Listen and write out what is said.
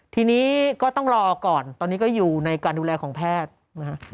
ทีนี้ก็ต้องรอก่อนตอนนี้ก็อยู่ในการดูแลของแพทย์นะฮะ